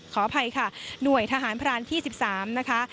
ขออภัยค่ะหน่วยทหารพรานที่๑๓นะคะ